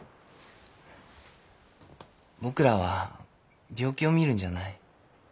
僕らは病気を診るんじゃない。